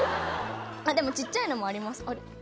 でも小っちゃいのもあります。